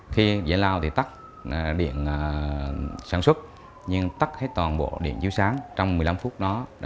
khi dễ lao thì tắt điện sản xuất nhưng tắt hết toàn bộ điện chiếu sáng trong một mươi năm phút đó